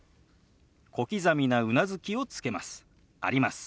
小刻みなうなずきをつけます。